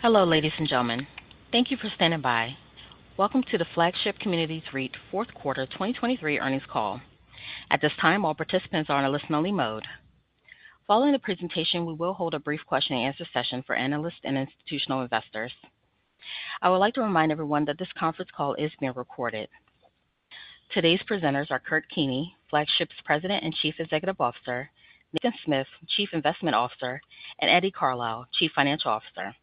Hello ladies and gentlemen, thank you for standing by. Welcome to the Flagship Communities REIT 4th Quarter 2023 earnings call. At this time, all participants are on a listen-only mode. Following the presentation, we will hold a brief question-and-answer session for analysts and institutional investors. I would like to remind everyone that this conference call is being recorded. Today's presenters are Kurt Keeney, Flagship's President and Chief Executive Officer; Nathan Smith, Chief Investment Officer; and Eddie Carlisle, Chief Financial Officer.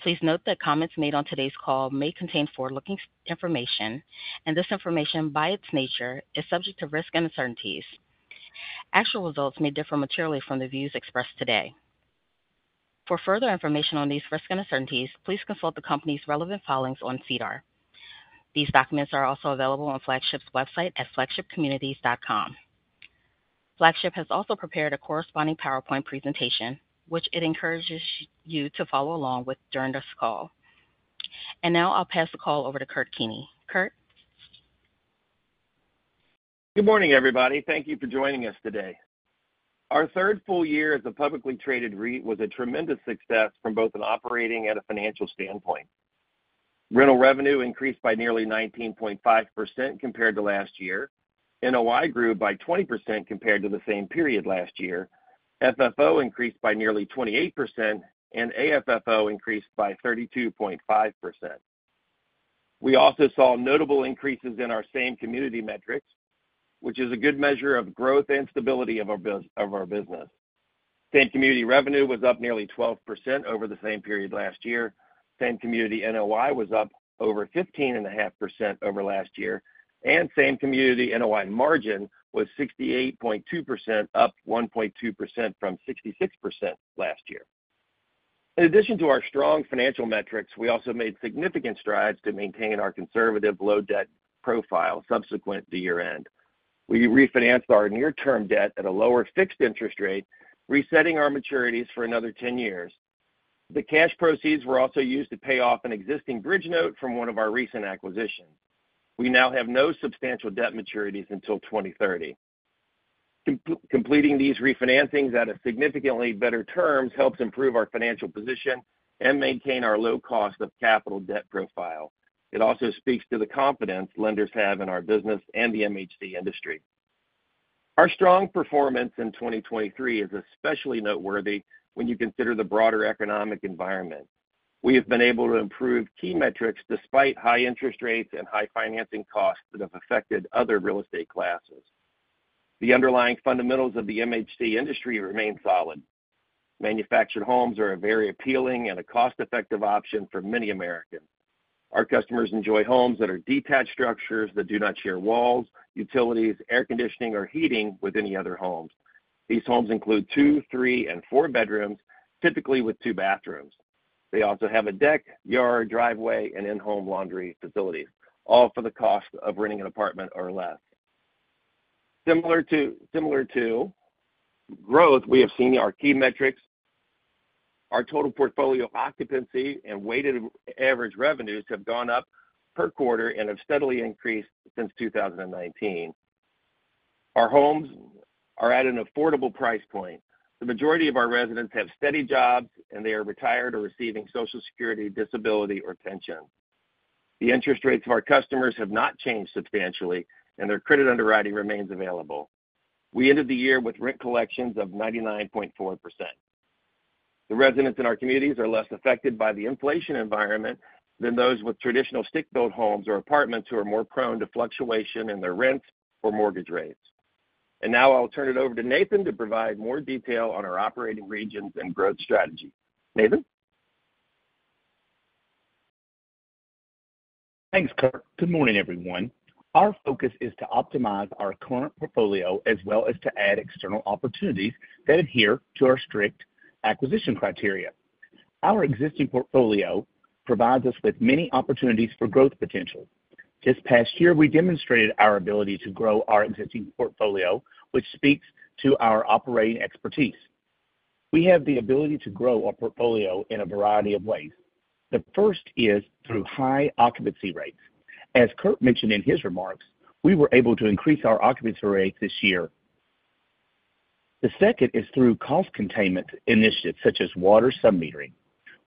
Please note that comments made on today's call may contain forward-looking information, and this information, by its nature, is subject to risk and uncertainties. Actual results may differ materially from the views expressed today. For further information on these risks and uncertainties, please consult the company's relevant filings on SEDAR. These documents are also available on Flagship's website at flagshipcommunities.com. Flagship has also prepared a corresponding PowerPoint presentation, which it encourages you to follow along with during this call. Now I'll pass the call over to Kurt Keeney. Kurt? Good morning, everybody. Thank you for joining us today. Our third full year as a publicly traded REIT was a tremendous success from both an operating and a financial standpoint. Rental revenue increased by nearly 19.5% compared to last year. NOI grew by 20% compared to the same period last year. FFO increased by nearly 28%, and AFFO increased by 32.5%. We also saw notable increases in our Same Community metrics, which is a good measure of growth and stability of our business. Same Community revenue was up nearly 12% over the same period last year. Same Community NOI was up over 15.5% over last year. Same Community NOI margin was 68.2%, up 1.2% from 66% last year. In addition to our strong financial metrics, we also made significant strides to maintain our conservative low-debt profile subsequent to year-end. We refinanced our near-term debt at a lower fixed interest rate, resetting our maturities for another 10 years. The cash proceeds were also used to pay off an existing bridge note from one of our recent acquisitions. We now have no substantial debt maturities until 2030. Completing these refinancings at significantly better terms helps improve our financial position and maintain our low-cost-of-capital debt profile. It also speaks to the confidence lenders have in our business and the MHC industry. Our strong performance in 2023 is especially noteworthy when you consider the broader economic environment. We have been able to improve key metrics despite high interest rates and high financing costs that have affected other real estate classes. The underlying fundamentals of the MHC industry remain solid. Manufactured homes are a very appealing and a cost-effective option for many Americans. Our customers enjoy homes that are detached structures that do not share walls, utilities, air conditioning, or heating with any other homes. These homes include two, three, and four bedrooms, typically with two bathrooms. They also have a deck, yard, driveway, and in-home laundry facilities, all for the cost of renting an apartment or less. Similar to growth, we have seen our key metrics. Our total portfolio occupancy and weighted average revenues have gone up per quarter and have steadily increased since 2019. Our homes are at an affordable price point. The majority of our residents have steady jobs, and they are retired or receiving Social Security, disability, or pension. The interest rates of our customers have not changed substantially, and their credit underwriting remains available. We ended the year with rent collections of 99.4%. The residents in our communities are less affected by the inflation environment than those with traditional stick-built homes or apartments who are more prone to fluctuation in their rents or mortgage rates. And now I'll turn it over to Nathan to provide more detail on our operating regions and growth strategy. Nathan? Thanks, Kurt. Good morning, everyone. Our focus is to optimize our current portfolio as well as to add external opportunities that adhere to our strict acquisition criteria. Our existing portfolio provides us with many opportunities for growth potential. This past year, we demonstrated our ability to grow our existing portfolio, which speaks to our operating expertise. We have the ability to grow our portfolio in a variety of ways. The first is through high occupancy rates. As Kurt mentioned in his remarks, we were able to increase our occupancy rates this year. The second is through cost containment initiatives such as water submetering.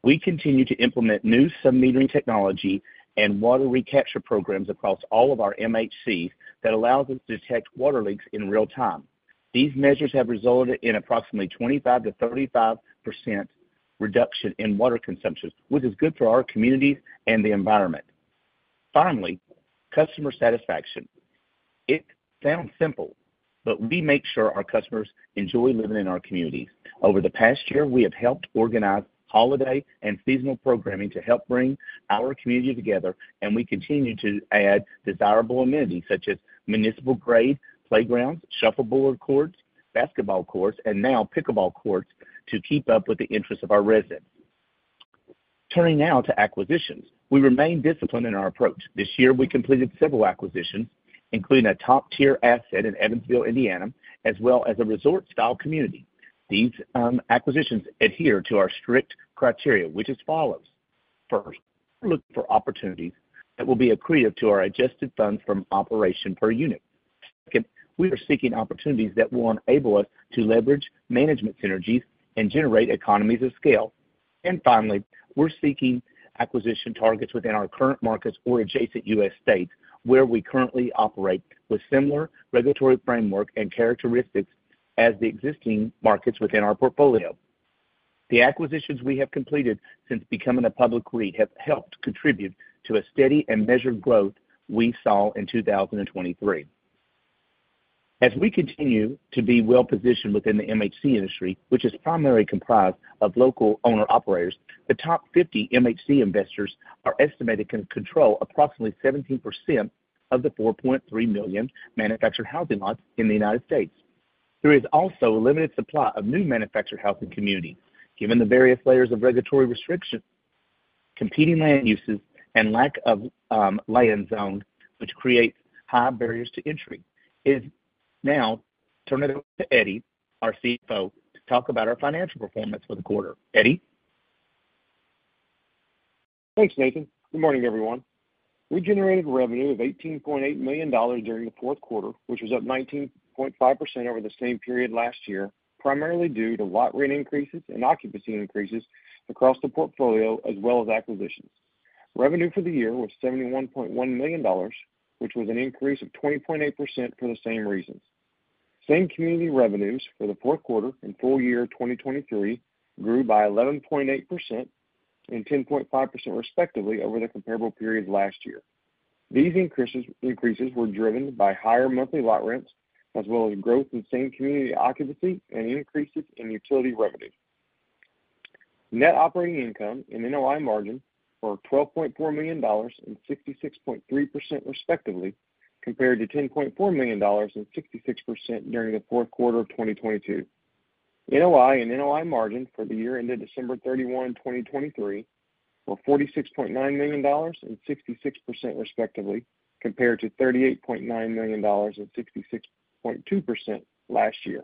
We continue to implement new submetering technology and water recapture programs across all of our MHCs that allow us to detect water leaks in real time. These measures have resulted in approximately 25%-35% reduction in water consumption, which is good for our communities and the environment. Finally, customer satisfaction. It sounds simple, but we make sure our customers enjoy living in our communities. Over the past year, we have helped organize holiday and seasonal programming to help bring our community together, and we continue to add desirable amenities such as municipal-grade playgrounds, shuffleboard courts, basketball courts, and now pickleball courts to keep up with the interests of our residents. Turning now to acquisitions, we remain disciplined in our approach. This year, we completed several acquisitions, including a top-tier asset in Evansville, Indiana, as well as a resort-style community. These acquisitions adhere to our strict criteria, which as follows: First, we're looking for opportunities that will be accretive to our adjusted funds from operations per unit. Second, we are seeking opportunities that will enable us to leverage management synergies and generate economies of scale. And finally, we're seeking acquisition targets within our current markets or adjacent U.S. states where we currently operate with similar regulatory framework and characteristics as the existing markets within our portfolio. The acquisitions we have completed since becoming a public REIT have helped contribute to a steady and measured growth we saw in 2023. As we continue to be well-positioned within the MHC industry, which is primarily comprised of local owner-operators, the top 50 MHC investors are estimated to control approximately 17% of the 4.3 million manufactured housing lots in the United States. There is also a limited supply of new manufactured housing communities. Given the various layers of regulatory restrictions, competing land uses, and lack of land zoned, which creates high barriers to entry, it is now turning it over to Eddie, our CFO, to talk about our financial performance for the quarter. Eddie? Thanks, Nathan. Good morning, everyone. We generated revenue of $18.8 million during the fourth quarter, which was up 19.5% over the same period last year, primarily due to lot rent increases and occupancy increases across the portfolio as well as acquisitions. Revenue for the year was $71.1 million, which was an increase of 20.8% for the same reasons. Same community revenues for the fourth quarter and full year 2023 grew by 11.8% and 10.5% respectively over the comparable period last year. These increases were driven by higher monthly lot rents as well as growth in same community occupancy and increases in utility revenue. Net operating income and NOI margin were $12.4 million and 66.3% respectively compared to $10.4 million and 66% during the fourth quarter of 2022. NOI and NOI margin for the year ended December 31, 2023, were $46.9 million and 66% respectively compared to $38.9 million and 66.2% last year.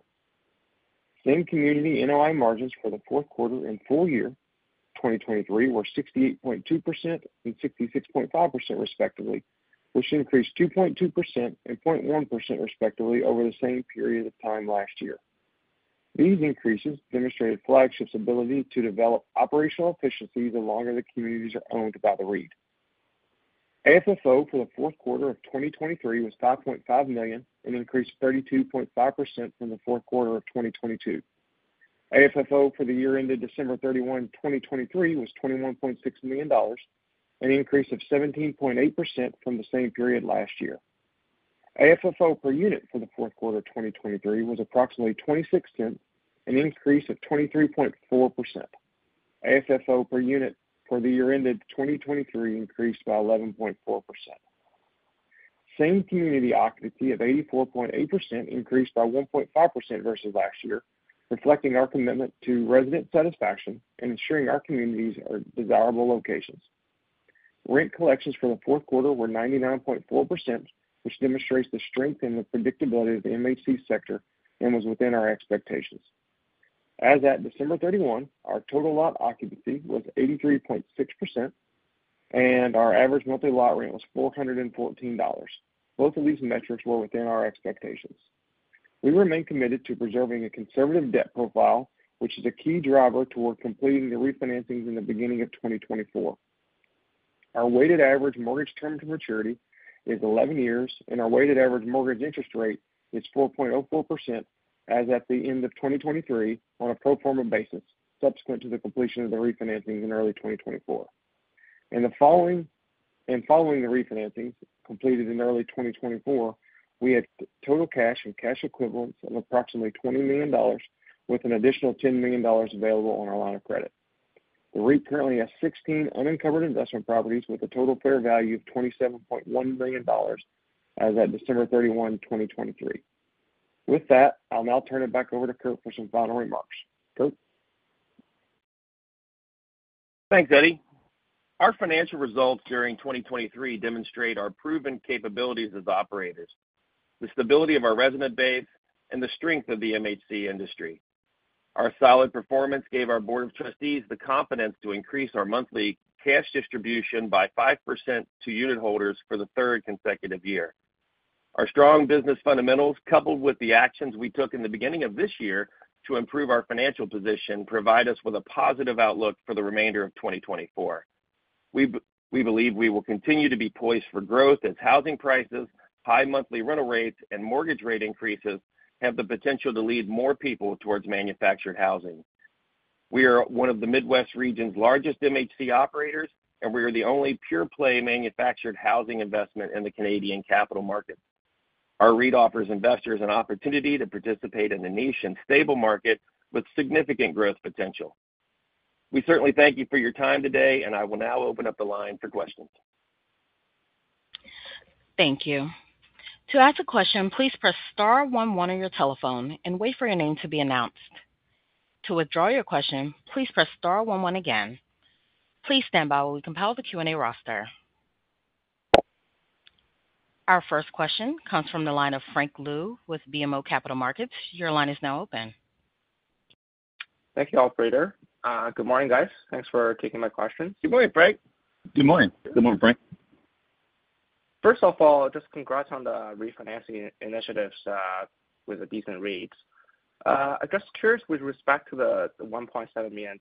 Same Community NOI margins for the fourth quarter and full year 2023 were 68.2% and 66.5% respectively, which increased 2.2% and 0.1% respectively over the same period of time last year. These increases demonstrated Flagship's ability to develop operational efficiencies the longer the communities are owned by the REIT. AFFO for the fourth quarter of 2023 was $5.5 million and increased 32.5% from the fourth quarter of 2022. AFFO for the year ended December 31, 2023, was $21.6 million, an increase of 17.8% from the same period last year. AFFO per unit for the fourth quarter 2023 was approximately $0.26, an increase of 23.4%. AFFO per unit for the year ended 2023 increased by 11.4%. Same community occupancy of 84.8% increased by 1.5% versus last year, reflecting our commitment to resident satisfaction and ensuring our communities are desirable locations. Rent collections for the fourth quarter were 99.4%, which demonstrates the strength and the predictability of the MHC sector and was within our expectations. As at December 31, our total lot occupancy was 83.6%, and our average monthly lot rent was $414. Both of these metrics were within our expectations. We remain committed to preserving a conservative debt profile, which is a key driver toward completing the refinancings in the beginning of 2024. Our weighted average mortgage term to maturity is 11 years, and our weighted average mortgage interest rate is 4.04% as at the end of 2023 on a pro forma basis subsequent to the completion of the refinancings in early 2024. In following the refinancings completed in early 2024, we had total cash and cash equivalents of approximately $20 million with an additional $10 million available on our line of credit. The REIT currently has 16 unencumbered investment properties with a total fair value of $27.1 million as at December 31, 2023. With that, I'll now turn it back over to Kurt for some final remarks. Kurt? Thanks, Eddie. Our financial results during 2023 demonstrate our proven capabilities as operators, the stability of our resident base, and the strength of the MHC industry. Our solid performance gave our board of trustees the confidence to increase our monthly cash distribution by 5% to unit holders for the third consecutive year. Our strong business fundamentals, coupled with the actions we took in the beginning of this year to improve our financial position, provide us with a positive outlook for the remainder of 2024. We believe we will continue to be poised for growth as housing prices, high monthly rental rates, and mortgage rate increases have the potential to lead more people towards manufactured housing. We are one of the Midwest region's largest MHC operators, and we are the only pure-play manufactured housing investment in the Canadian capital markets. Our REIT offers investors an opportunity to participate in a niche and stable market with significant growth potential. We certainly thank you for your time today, and I will now open up the line for questions. Thank you. To ask a question, please press star 11 on your telephone and wait for your name to be announced. To withdraw your question, please press star 11 again. Please stand by while we compile the Q&A roster. Our first question comes from the line of Frank Liu with BMO Capital Markets. Your line is now open. Thank you, all three there. Good morning, guys. Thanks for taking my questions. Good morning, Frank. Good morning. Good morning, Frank. First of all, just congrats on the refinancing initiatives with a decent rate. I'm just curious with respect to the $1.7 million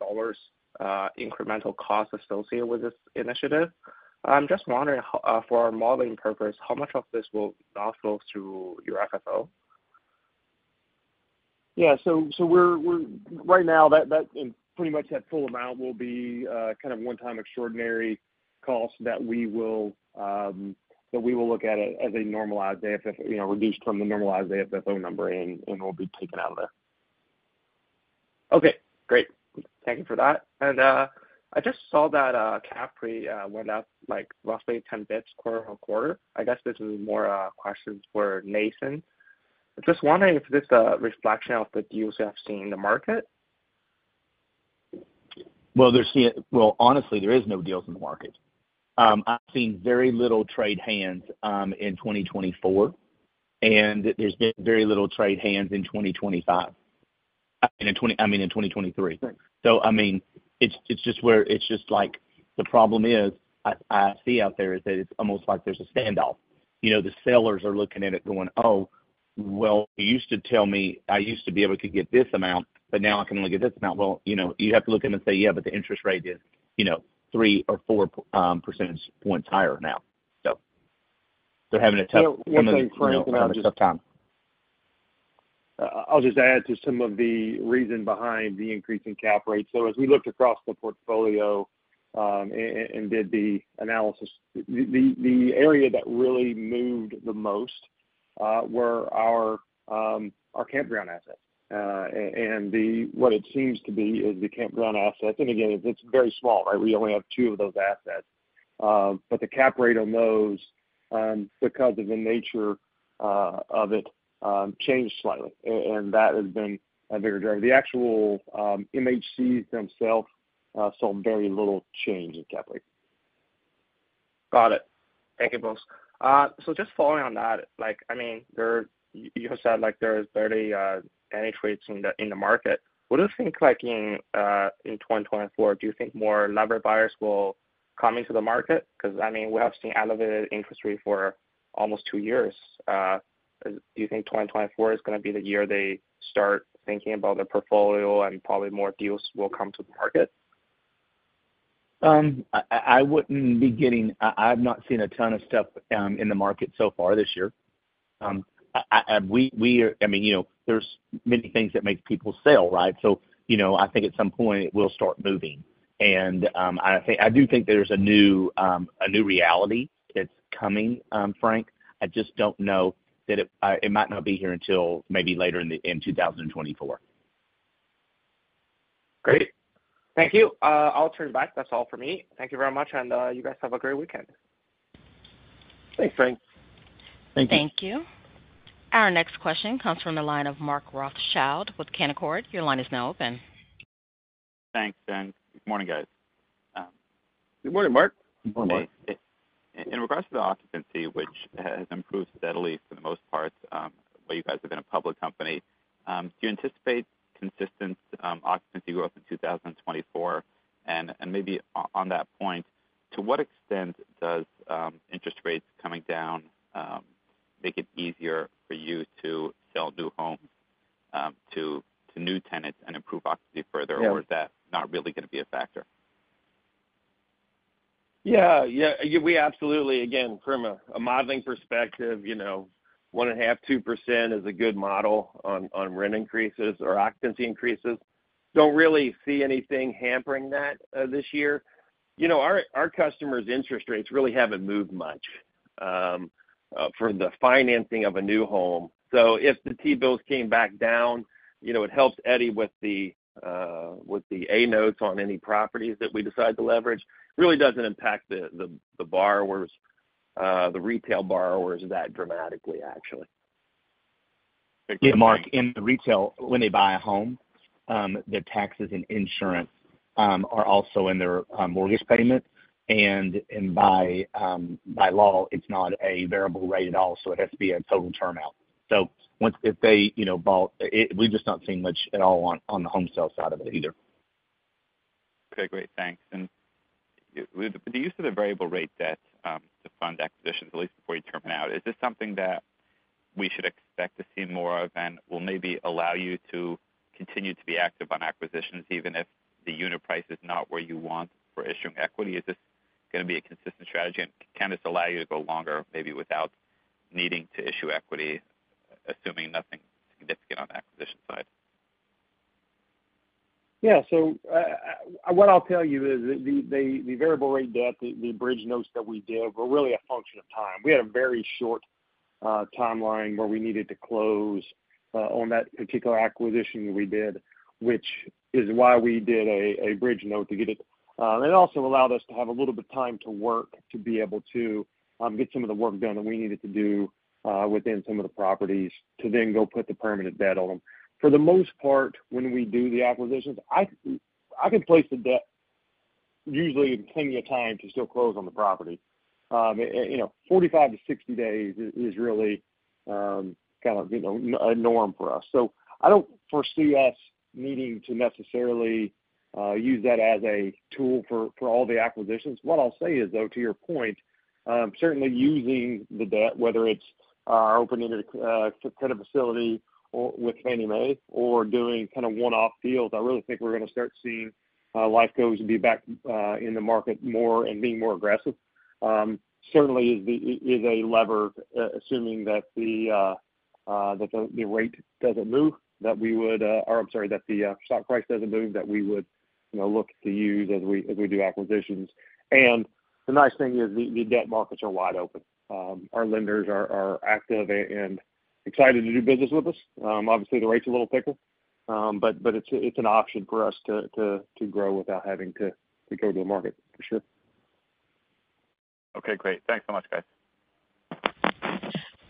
incremental costs associated with this initiative. I'm just wondering for our modeling purposes, how much of this will now flow through your FFO? Yeah. So right now, pretty much that full amount will be kind of one-time extraordinary costs that we will look at as a normalized AFFO, reduced from the normalized AFFO number, and we'll be taken out of there. Okay. Great. Thank you for that. And I just saw that cap rate went up roughly 10 basis points quarter-over-quarter. I guess this is more questions for Nathan. I'm just wondering if this is a reflection of the deals you have seen in the market. Well, honestly, there are no deals in the market. I've seen very little trade hands in 2024, and there's been very little trade hands in 2025. I mean, in 2023. So, I mean, it's just where it's just like the problem I see out there is that it's almost like there's a standoff. The sellers are looking at it going, "Oh, well, you used to tell me I used to be able to get this amount, but now I can only get this amount." Well, you have to look at them and say, "Yeah, but the interest rate is 3 or 4 percentage points higher now." So they're having a tough. Yeah. What's saying, Frank? Yeah. That I'm having a tough time. I'll just add to some of the reason behind the increase in cap rates. So as we looked across the portfolio and did the analysis, the area that really moved the most were our campground assets. And what it seems to be is the campground assets. And again, it's very small, right? We only have two of those assets. But the cap rate on those, because of the nature of it, changed slightly, and that has been a bigger driver. The actual MHCs themselves saw very little change in cap rates. Got it. Thank you, both. So just following on that, I mean, you have said there is barely any trades in the market. What do you think in 2024? Do you think more levered buyers will come into the market? Because, I mean, we have seen elevated interest rates for almost two years. Do you think 2024 is going to be the year they start thinking about their portfolio and probably more deals will come to the market? I have not seen a ton of stuff in the market so far this year. I mean, there's many things that make people sell, right? So I think at some point, it will start moving. And I do think there's a new reality that's coming, Frank. I just don't know that it might not be here until maybe later in 2024. Great. Thank you. I'll turn it back. That's all for me. Thank you very much, and you guys have a great weekend. Thanks, Frank. Thank you. Thank you. Our next question comes from the line of Mark Rothschild with Canaccord. Your line is now open. Thanks, Dan. Good morning, guys. Good morning, Mark. Good morning, Mark. In regards to the occupancy, which has improved steadily for the most part while you guys have been a public company, do you anticipate consistent occupancy growth in 2024? Maybe on that point, to what extent does interest rates coming down make it easier for you to sell new homes to new tenants and improve occupancy further, or is that not really going to be a factor? Yeah. Yeah. We absolutely, again, from a modeling perspective, 1.5%-2% is a good model on rent increases or occupancy increases. Don't really see anything hampering that this year. Our customers' interest rates really haven't moved much for the financing of a new home. So if the T-bills came back down, it helps Eddie with the A-notes on any properties that we decide to leverage. It really doesn't impact the retail borrowers that dramatically, actually. Mark, in the retail, when they buy a home, their taxes and insurance are also in their mortgage payment. By law, it's not a variable rate at all, so it has to be a total turnout. If they bought, we've just not seen much at all on the home sale side of it either. Okay. Great. Thanks. And the use of the variable rate debt to fund acquisitions, at least before you terminate, is this something that we should expect to see more of and will maybe allow you to continue to be active on acquisitions even if the unit price is not where you want for issuing equity? Is this going to be a consistent strategy, and can this allow you to go longer maybe without needing to issue equity, assuming nothing significant on the acquisition side? Yeah. So what I'll tell you is the variable rate debt, the bridge notes that we did, were really a function of time. We had a very short timeline where we needed to close on that particular acquisition that we did, which is why we did a bridge note to get it. And it also allowed us to have a little bit of time to work to be able to get some of the work done that we needed to do within some of the properties to then go put the permanent debt on them. For the most part, when we do the acquisitions, I can place the debt usually in plenty of time to still close on the property. 45-60 days is really kind of a norm for us. So I don't foresee us needing to necessarily use that as a tool for all the acquisitions. What I'll say is, though, to your point, certainly using the debt, whether it's our open-ended kind of facility with Fannie Mae or doing kind of one-off deals, I really think we're going to start seeing LifeCos be back in the market more and being more aggressive. Certainly, it is a lever, assuming that the rate doesn't move, that we would or I'm sorry, that the stock price doesn't move, that we would look to use as we do acquisitions. And the nice thing is the debt markets are wide open. Our lenders are active and excited to do business with us. Obviously, the rate's a little thicker, but it's an option for us to grow without having to go to the market, for sure. Okay. Great. Thanks so much, guys.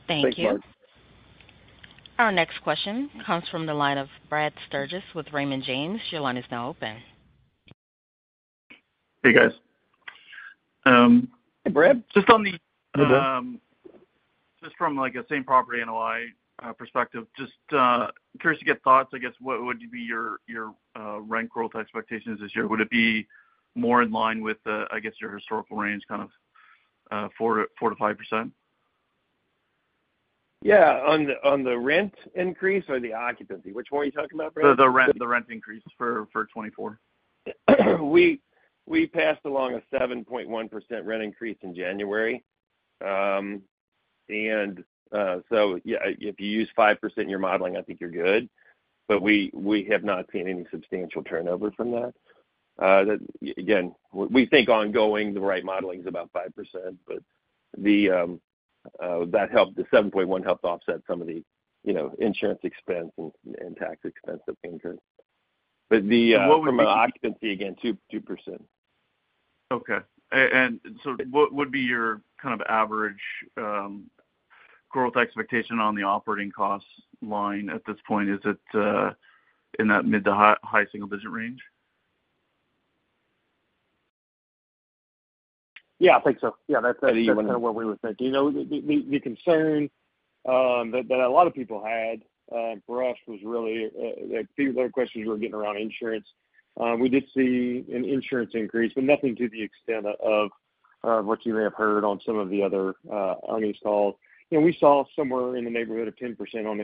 Thank you. Thanks, Mark. Our next question comes from the line of Brad Sturges with Raymond James. Your line is now open. Hey, guys. Hey, Brad. Just from the same property NOI perspective, just curious to get thoughts. I guess what would be your rent growth expectations this year? Would it be more in line with, I guess, your historical range kind of 4%-5%? Yeah. On the rent increase or the occupancy? Which one are you talking about, Brad? The rent increase for 2024. We passed along a 7.1% rent increase in January. So if you use 5% in your modeling, I think you're good. But we have not seen any substantial turnover from that. Again, we think ongoing, the right modeling is about 5%, but that helped. The 7.1 helped offset some of the insurance expense and tax expense that's been incurred. But from an occupancy, again, 2%. Okay. And so what would be your kind of average growth expectation on the operating costs line at this point? Is it in that mid to high single-digit range? Yeah. I think so. Yeah. That's kind of where we would say. The concern that a lot of people had for us was really a few of their questions were getting around insurance. We did see an insurance increase, but nothing to the extent of what you may have heard on some of the other earnings calls. We saw somewhere in the neighborhood of 10%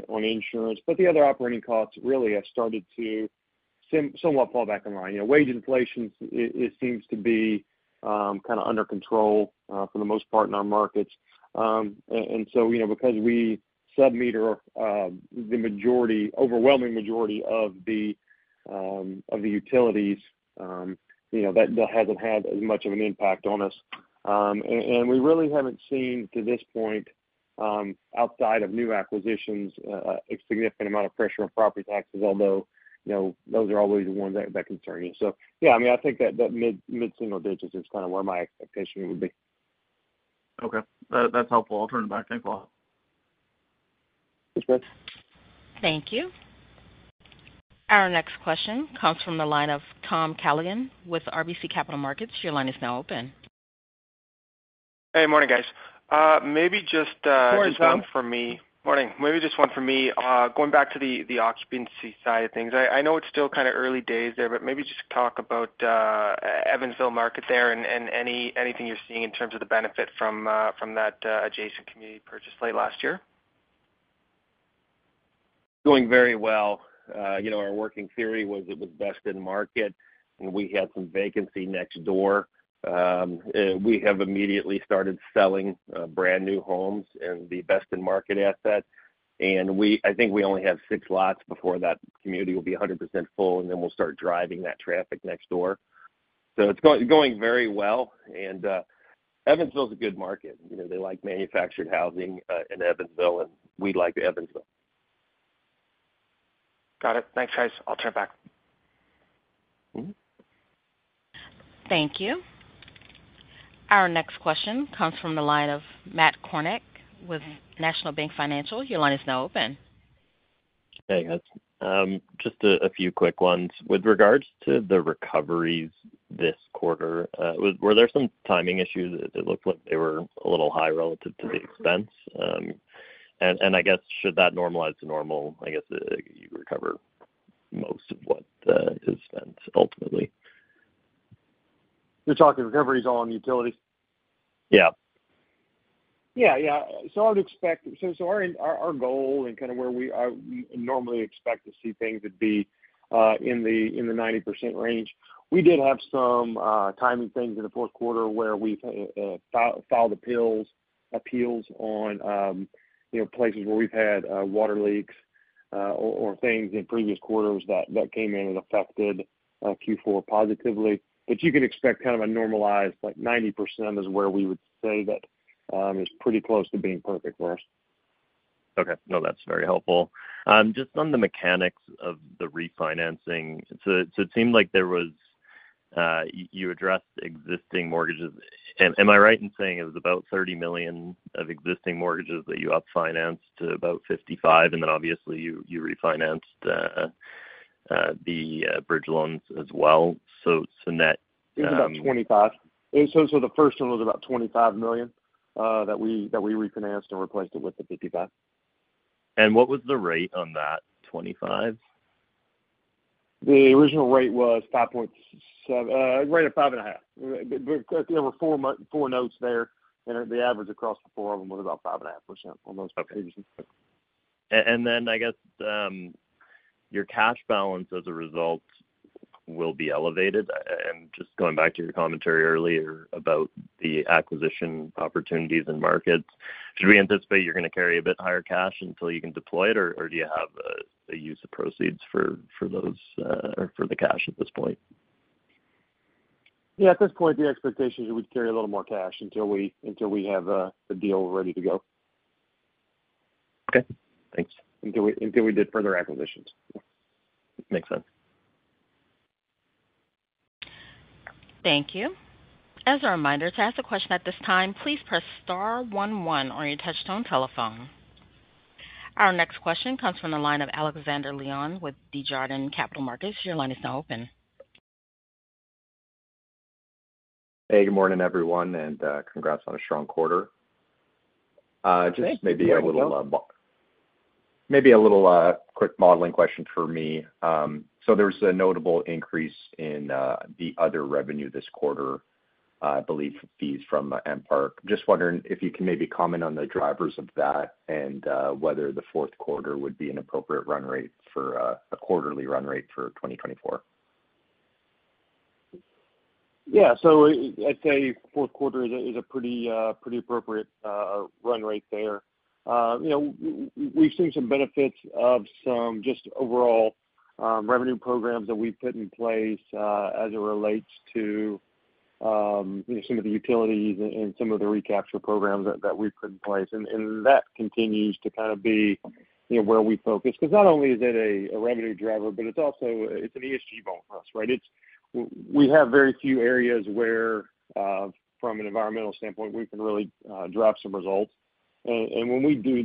on insurance, but the other operating costs really have started to somewhat fall back in line. Wage inflation, it seems to be kind of under control for the most part in our markets. And so because we submeter the overwhelming majority of the utilities, that hasn't had as much of an impact on us. And we really haven't seen to this point, outside of new acquisitions, a significant amount of pressure on property taxes, although those are always the ones that concern you. So yeah, I mean, I think that mid-single digits is kind of where my expectation would be. Okay. That's helpful. I'll turn it back. Thanks a lot. Thanks, Brad. Thank you. Our next question comes from the line of Tom Callaghan with RBC Capital Markets. Your line is now open. Hey. Morning, guys. Maybe just. Morning, Tom. Just one for me. Morning. Maybe just one for me. Going back to the occupancy side of things, I know it's still kind of early days there, but maybe just talk about Evansville market there and anything you're seeing in terms of the benefit from that adjacent community purchase late last year. Going very well. Our working theory was it was best in market, and we had some vacancy next door. We have immediately started selling brand new homes and the best-in-market asset. And I think we only have six lots before that community will be 100% full, and then we'll start driving that traffic next door. So it's going very well. And Evansville's a good market. They like manufactured housing in Evansville, and we like Evansville. Got it. Thanks, guys. I'll turn it back. Thank you. Our next question comes from the line of Matt Kornack with National Bank Financial. Your line is now open. Hey, guys. Just a few quick ones. With regards to the recoveries this quarter, were there some timing issues? It looked like they were a little high relative to the expense. I guess should that normalize to normal, I guess you recover most of what is spent ultimately. You're talking recoveries all on utilities? Yeah. Yeah. Yeah. So I would expect so our goal and kind of where we normally expect to see things would be in the 90% range. We did have some timing things in the fourth quarter where we filed appeals on places where we've had water leaks or things in previous quarters that came in and affected Q4 positively. But you can expect kind of a normalized 90% is where we would say that is pretty close to being perfect for us. Okay. No, that's very helpful. Just on the mechanics of the refinancing, so it seemed like there was you addressed existing mortgages. Am I right in saying it was about $30 million of existing mortgages that you upfinanced to about $55 million, and then obviously, you refinanced the bridge loans as well? So net. It was about $25 million. So the first one was about $25 million that we refinanced and replaced it with the $55 million. What was the rate on that 25? The original rate was 5.7% rate of 5.5%. There were four notes there, and the average across the four of them was about 5.5% on those previous ones. Okay. And then I guess your cash balance as a result will be elevated. And just going back to your commentary earlier about the acquisition opportunities and markets, should we anticipate you're going to carry a bit higher cash until you can deploy it, or do you have a use of proceeds for those or for the cash at this point? Yeah. At this point, the expectation is we'd carry a little more cash until we have the deal ready to go. Okay. Thanks. Until we did further acquisitions. Makes sense. Thank you. As a reminder, to ask a question at this time, please press star 11 on your touch-tone telephone. Our next question comes from the line of Alexandre Leon with Desjardins Capital Markets. Your line is now open. Hey. Good morning, everyone, and congrats on a strong quarter. Just maybe a little. Thanks, Joe. Maybe a little quick modeling question for me. So there was a notable increase in the other revenue this quarter, I believe, fees from Empower. Just wondering if you can maybe comment on the drivers of that and whether the fourth quarter would be an appropriate run rate for a quarterly run rate for 2024? Yeah. So I'd say fourth quarter is a pretty appropriate run rate there. We've seen some benefits of some just overall revenue programs that we've put in place as it relates to some of the utilities and some of the recapture programs that we've put in place. And that continues to kind of be where we focus because not only is it a revenue driver, but it's an ESG bone for us, right? We have very few areas where, from an environmental standpoint, we can really drop some results. And when we do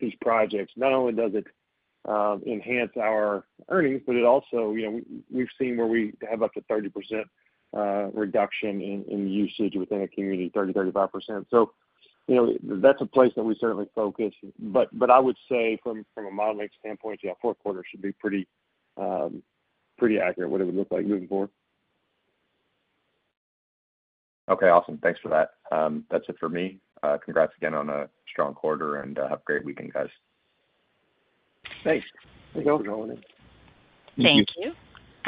these projects, not only does it enhance our earnings, but it also we've seen where we have up to 30% reduction in usage within a community, 30%-35%. So that's a place that we certainly focus. I would say from a modeling standpoint, yeah, fourth quarter should be pretty accurate, what it would look like moving forward. Okay. Awesome. Thanks for that. That's it for me. Congrats again on a strong quarter, and have a great weekend, guys. Thanks. Thanks, Joe. Thank you.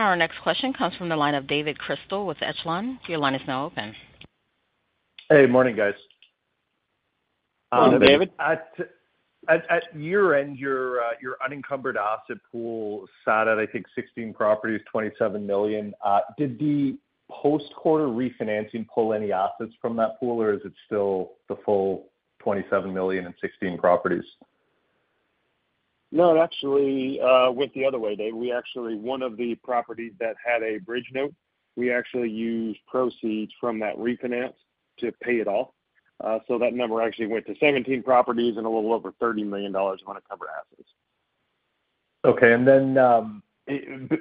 Our next question comes from the line of David Chrystal with Echelon. Your line is now open. Hey. Morning, guys. Morning, David. At year-end, your unencumbered asset pool sat at, I think, 16 properties, $27 million. Did the post-quarter refinancing pull any assets from that pool, or is it still the full $27 million and 16 properties? No. Actually, went the other way, Dave. One of the properties that had a bridge note, we actually used proceeds from that refinance to pay it off. So that number actually went to 17 properties and a little over $30 million of unencumbered assets. Okay. And then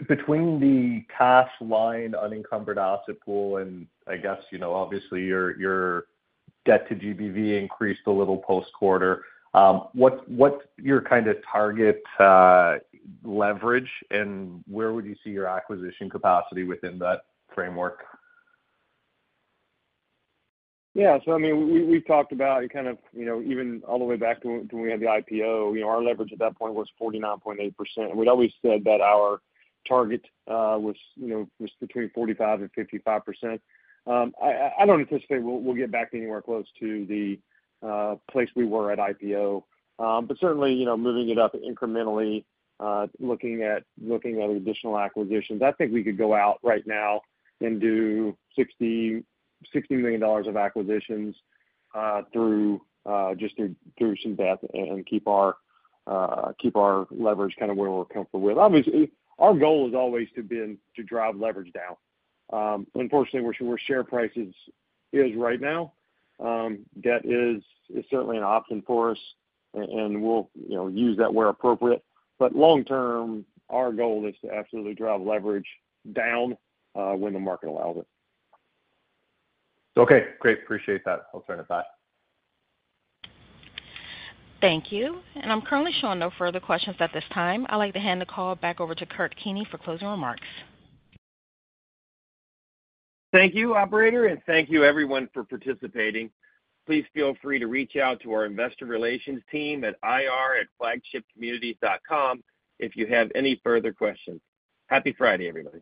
between the cash-like unencumbered asset pool and, I guess, obviously, your debt to GBV increased a little post-quarter, what's your kind of target leverage, and where would you see your acquisition capacity within that framework? Yeah. So I mean, we've talked about kind of even all the way back to when we had the IPO, our leverage at that point was 49.8%. And we'd always said that our target was between 45%-55%. I don't anticipate we'll get back anywhere close to the place we were at IPO. But certainly, moving it up incrementally, looking at additional acquisitions, I think we could go out right now and do $60 million of acquisitions just through some debt and keep our leverage kind of where we're comfortable with. Obviously, our goal has always been to drive leverage down. Unfortunately, where share prices is right now, debt is certainly an option for us, and we'll use that where appropriate. But long-term, our goal is to absolutely drive leverage down when the market allows it. Okay. Great. Appreciate that. I'll turn it back. Thank you. I'm currently showing no further questions at this time. I'd like to hand the call back over to Kurt Keeney for closing remarks. Thank you, operator, and thank you, everyone, for participating. Please feel free to reach out to our investor relations team at ir@flagshipcommunities.com if you have any further questions. Happy Friday, everybody.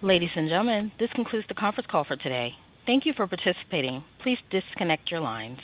Ladies and gentlemen, this concludes the conference call for today. Thank you for participating. Please disconnect your lines.